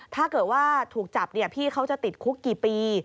ถ้าเกิดว่าถูกจับพี่เขาจะติดคุกกี่ปี